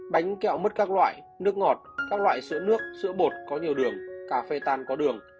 bánh kẹo mất các loại nước ngọt các loại sữa nước sữa bột có nhiều đường cà phê tan có đường